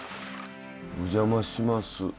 お邪魔します。